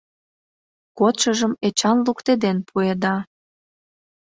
Кодшыжым Эчан луктеден пуэда.